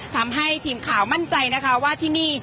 ทำให้ทีมข่าวมั่นใจนะคะว่าที่นี่